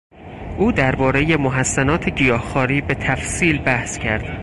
او دربارهی محسنات گیاهخواری به تفصیل بحث کرد.